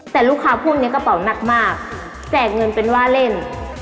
แต่ลูกค้าพวกนี้กระเป๋าหนักมากแจกเงินเป็นว่าเล่น